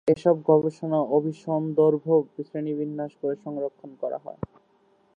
এসব গবেষণা অভিসন্দর্ভ শ্রেণিবিন্যাস করে সংরক্ষণ করা হয়।